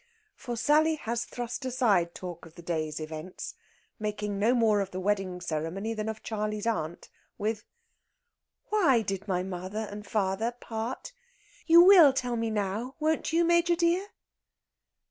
For Sally has thrust aside talk of the day's events, making no more of the wedding ceremony than of "Charley's Aunt," with: "Why did my father and mother part? You will tell me now, won't you, Major dear?"